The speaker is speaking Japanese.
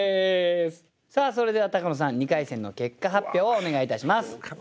さあそれでは高野さん２回戦の結果発表をお願いいたします。